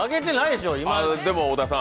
でも小田さん。